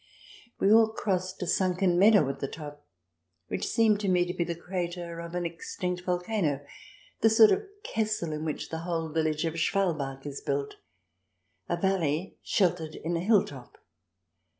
We all crossed a sunken meadow at the top which seemed to me to be the crater of an extinct volcano, the sort of Kessel in which the whole village of Schwalbach is built — a valley sheltered in a hilltop.